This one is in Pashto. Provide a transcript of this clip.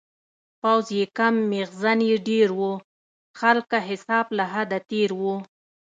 پوځ یې کم میخزن یې ډیر و-خلکه حساب له حده تېر و